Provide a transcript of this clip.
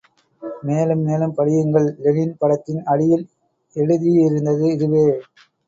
மேலும் மேலும் படியுங்கள் லெனின் படத்தின் அடியில் எழுதியிருந்தது இதுவே.